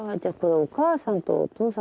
お母さんお母さん。